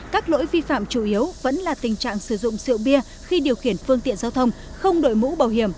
các lỗi vi phạm chủ yếu vẫn là tình trạng sử dụng rượu bia khi điều khiển phương tiện giao thông không đội mũ bảo hiểm